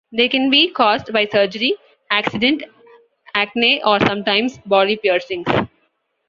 They can be caused by surgery, accident, acne or, sometimes, body piercings.